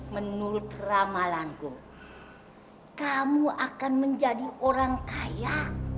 menurut ramalanku kamu akan menjadi orang kaya